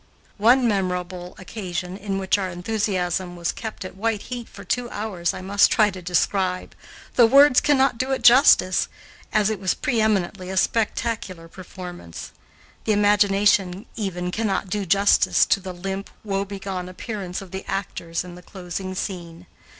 One memorable occasion in which our enthusiasm was kept at white heat for two hours I must try to describe, though words cannot do it justice, as it was pre eminently a spectacular performance. The imagination even cannot do justice to the limp, woe begone appearance of the actors in the closing scene.